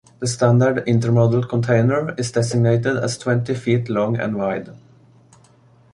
The standard intermodal container is designated as twenty feet long and wide.